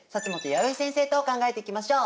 弥生先生と考えていきましょう。